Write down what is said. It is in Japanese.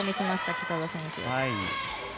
北田選手。